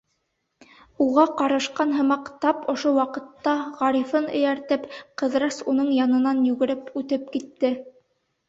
Уға ҡарышҡан һымаҡ, тап ошо ваҡытта, Ғарифын эйәртеп, Ҡыҙырас уның янынан йүгереп үтеп китте.